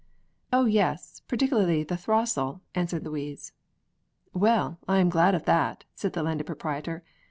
"Oh yes, particularly the throstle," answered Louise. "Well, I am glad of that!" said the Landed Proprietor.